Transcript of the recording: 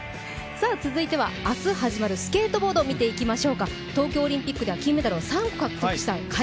続いては、明日始まるスケートボードを見ていきます。